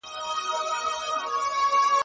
منطقي تسلسل به د څېړنې کیفیت ښه کړي.